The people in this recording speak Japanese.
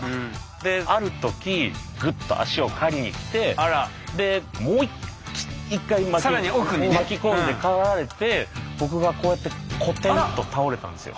である時グッと足を刈りにきてもう一回巻き込んで刈られて僕がこうやってコテンと倒れたんですよ。